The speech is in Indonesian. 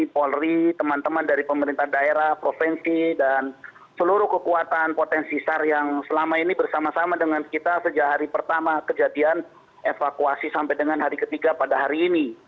polri teman teman dari pemerintah daerah provinsi dan seluruh kekuatan potensi sar yang selama ini bersama sama dengan kita sejak hari pertama kejadian evakuasi sampai dengan hari ketiga pada hari ini